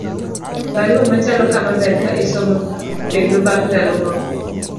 barua machalo kama ber ka isomo kendo bang' ndalo moko